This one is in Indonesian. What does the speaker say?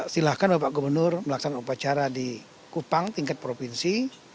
silahkan bapak gubernur melaksanakan upacara di kupang tingkat provinsi